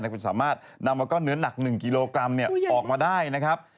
คุณสามารถนำเอาก้อนเนื้อหนัก๑กิโลกรัมออกมาได้นะครับ